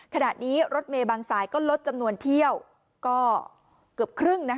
ขณะนี้รถเมย์บางสายก็ลดจำนวนเที่ยวก็เกือบครึ่ง